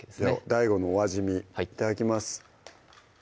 ＤＡＩＧＯのお味見いただきます